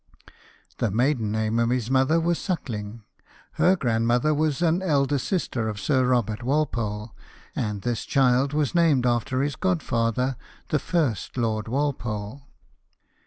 The maiden name of his mother was Suckling, her grandmother was an elder sister of Sir Kobert Walpole, and this child was named after his godfather the first Lord Walpole.